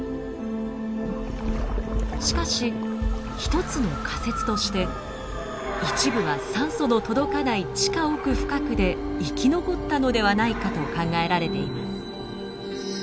しかし一つの仮説として一部は酸素の届かない地下奥深くで生き残ったのではないかと考えられています。